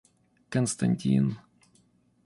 Константин